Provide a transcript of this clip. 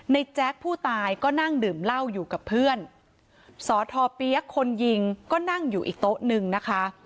แจ๊คผู้ตายก็นั่งดื่มเหล้าอยู่กับเพื่อนสอทอเปี๊ยกคนยิงก็นั่งอยู่อีกโต๊ะหนึ่งนะคะ